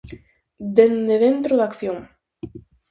Dende dentro da acción.